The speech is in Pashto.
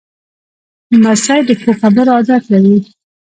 لمسی د ښو خبرو عادت لري.